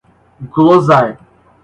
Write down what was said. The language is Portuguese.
glosar